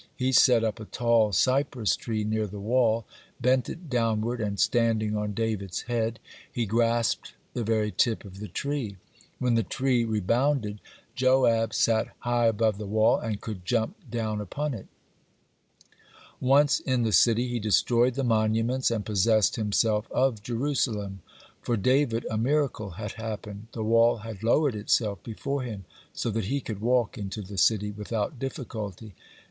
He set up a tall cypress tree near the wall, bent it downward, and standing on David's head, he grasped the very tip of the tree. When the tree rebounded, Joab sat high above the wall, and could jump down upon it. Once in the city, he destroyed the monuments, and possessed himself of Jerusalem. (52) For David a miracle had happened; the wall had lowered itself before him so that he could walk into the city without difficulty.